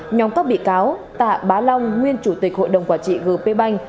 nhóm các bị cáo tạ bá long nguyên chủ tịch hội đồng quản trị g p banh